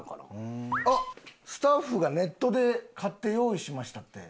あっスタッフがネットで買って用意しましたって。